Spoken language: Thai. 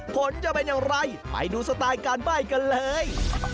ผลจะเป็นอย่างไรไปดูสไตล์การใบ้กันเลย